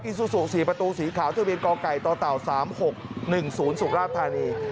อิซุสุสี่ประตูสีขาวที่บินก่อไก่ต่อต่าวสามหกหนึ่งศูนย์สุราบธานี